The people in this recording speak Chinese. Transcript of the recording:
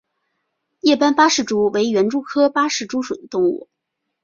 叶斑八氏蛛为园蛛科八氏蛛属的动物。